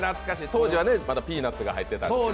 当時は、まだピーナッツが入ってたという。